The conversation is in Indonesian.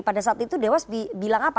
pada saat itu dewas dibilang apa